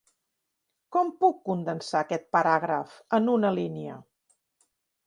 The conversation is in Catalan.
Com puc condensar aquest paràgraf en una línia?